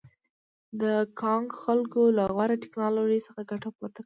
د کانګو خلکو له غوره ټکنالوژۍ څخه ګټه پورته نه کړه.